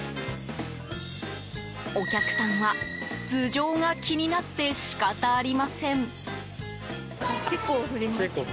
お客さんは頭上が気になって仕方ありません。